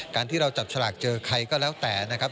การที่เราจับฉลากเจอใครก็แล้วแต่นะครับ